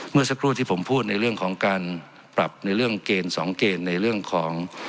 เมื่อสักครู่ที่ผมพูดในเรื่องของการปรับในเรื่องเกณฑ์สองเกณฑ์ในเรื่องของ